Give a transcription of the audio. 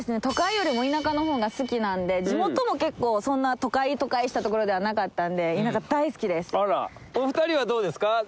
都会よりも田舎の方が好きなんで地元も結構そんな都会都会したところではなかったんであらお二人はどうですか？